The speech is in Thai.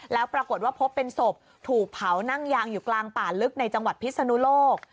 แล้วปรากฏว่าพบเป็นศพถูกเผานั่งยางอยู่กลางป่าลึกในจังหวัดพิศนุโลก